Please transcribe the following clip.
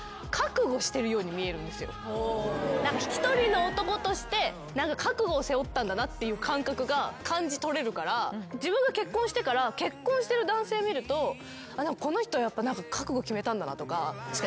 一人の男として覚悟を背負ったんだなっていう感覚が感じ取れるから自分が結婚してから結婚してる男性見るとこの人やっぱ。